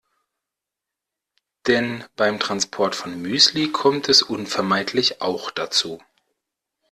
Denn beim Transport von Müsli kommt es unvermeidlich auch dazu.